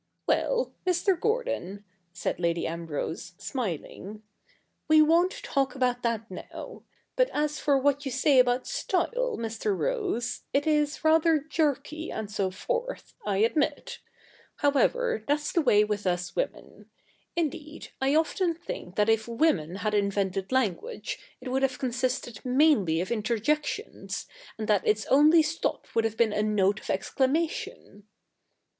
'Well, Mr. Gordon,' said Lady Ambrose, smiling, 'we won't talk about that now. But as for what you say about style, Mr. Rose, it is rather jerky, and so forth, 234 THE NEW REPUBLIC [bk. iv I admit. However, that's the way with us women. Indeed, I often think that if women had invented lan guage, it would have consisted mainly of interjections, and that its only stop would have been a note of exclamation.'